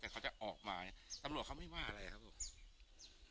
แต่เขาจะออกหมายตำรวจเขาไม่ว่าอะไรครับลูก